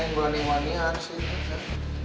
gw aneh anehan sih